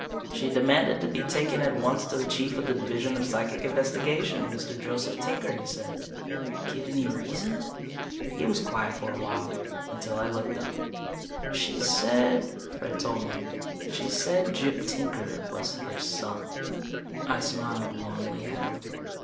"She demanded to be taken at once to the Chief of the Division of Psychic Investigation, Mr. Joseph Tinker," he said. "Give any reason?" He was quiet for a while, until I looked up. "She said," Fred told me, "she said Gyp Tinker was her son." I smiled wanly at him.